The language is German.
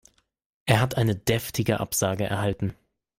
Er hat eine deftige Absage erhalten.